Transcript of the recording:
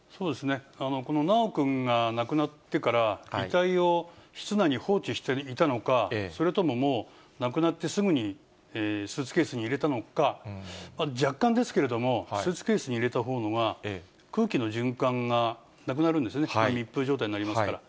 この修くんが亡くなってから、遺体を室内に放置していたのか、それとももう亡くなってすぐにスーツケースに入れたのか、若干ですけれども、スーツケースに入れたほうのが、空気の循環がなくなるんですね、密封状態になりますから。